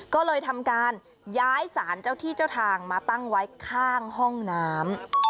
ก็เลยทำการย้ายสารเจ้าที่เจ้าทางมาตั้งไว้ข้างห้องน้ำ